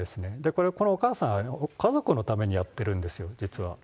これ、このお母さん、家族のためにやってるんですよ、実は。